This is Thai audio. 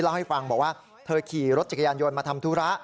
เล่าให้ฟังบอกว่าเธอขี่รถจักรยานยนต์มาทำธุระ